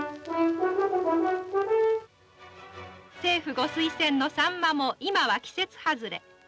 政府ご推薦のサンマも今は季節外れ。